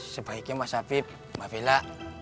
sebaiknya mas afief mbak bila